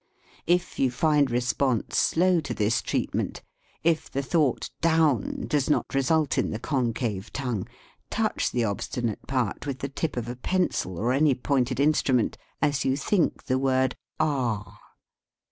If you find response slow to this treatment, if the thought "down" does not result in the concave tongue, touch the obstinate part with the tip of a pencil or any pointed instrument as you think the word "ah."